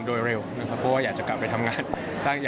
โดยเร็วเพราะว่าอยากจะกลับไปทำงาน